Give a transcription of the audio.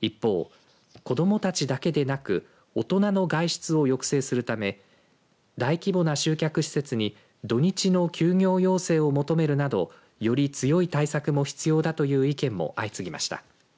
一方、子どもたちだけでなく大人の外出を抑制するため大規模な集客施設に土日の休業要請を求めるなどより強い対策も必要だという意見も相次ぎました。